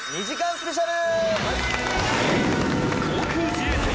［スペシャル］